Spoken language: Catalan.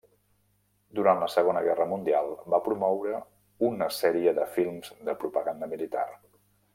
Durant la Segona Guerra Mundial va promoure una sèrie de films de propaganda militar.